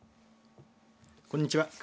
こんにちは。